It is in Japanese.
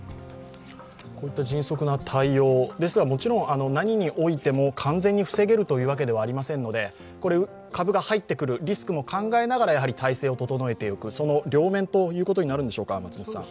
こういった迅速な対応ですが、もちろん何においても完全に防げるというわけではありませんので株が入ってくるリスクも考えながら体制を整えておくその両面ということになるんでしょうか？